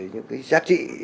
những cái giá trị